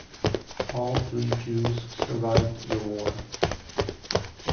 All three Jews survived the war.